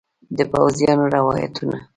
د پوځیانو روایتونه